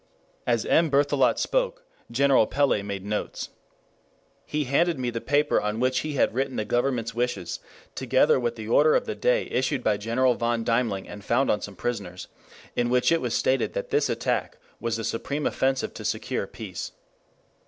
As M. Berthelot spoke, General Pellé made notes. He handed me the paper on which he had written the Government's wishes, together with the order of the day issued by General von Deimling and found on some prisoners, in which it was stated that this attack was the supreme offensive to secure peace.